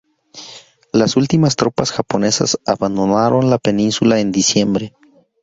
Las últimas tropas japonesas abandonaron la península en diciembre.